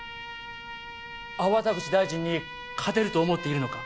粟田口大臣に勝てると思っているのか？